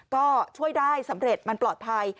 ก็ช่วยได้สำเร็จมันปลอดภัย